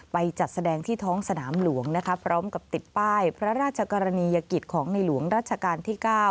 จัดแสดงที่ท้องสนามหลวงพร้อมกับติดป้ายพระราชกรณียกิจของในหลวงรัชกาลที่๙